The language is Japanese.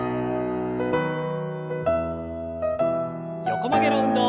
横曲げの運動。